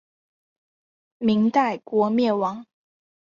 明代国灭亡。